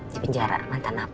di penjara mantan api